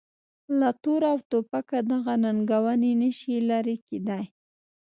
له توره او توپکه دغه ننګونې نه شي لرې کېدای.